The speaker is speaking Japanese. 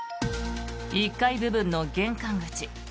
１階部分の玄関口。